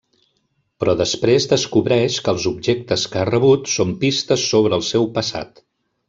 Però després descobreix que els objectes que ha rebut són pistes sobre el seu passat.